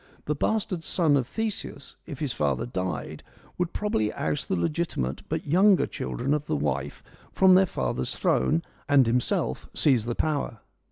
The bastard son of Theseus, if his father died, would probably oust the legitimate but younger children of the wife from their father's throne and himself seize the power.